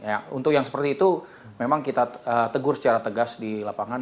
ya untuk yang seperti itu memang kita tegur secara tegas di lapangan